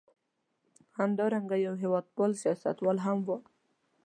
همدارنګه یو هېواد پال سیاستوال هم و.